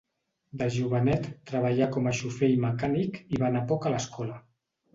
De jovenet treballà com a xofer i mecànic i va anar poc a l'escola.